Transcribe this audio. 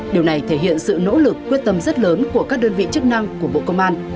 điều này thể hiện sự nỗ lực quyết tâm rất lớn của các đơn vị chức năng của bộ công an